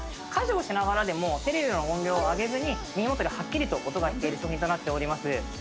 家事をしながらでもテレビの音量を上げずに耳元ではっきりと音が聞ける仕組みとなっております。